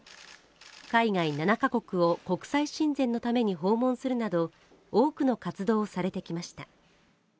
海外７カ国を国際親善のために訪問するなど、多くの活動をされてきました。